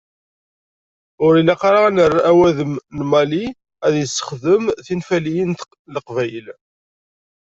Ur ilaq ara ad nerr awadem n Mali ad yessexdem tinfaliyin n Leqbayel.